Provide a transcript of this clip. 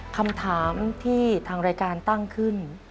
คำถามที่ทางรายการตั้งขึ้น